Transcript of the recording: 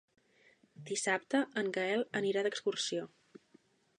Dissabte en Gaël anirà d'excursió.